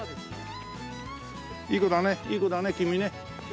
いい子だねいい子だね君ね。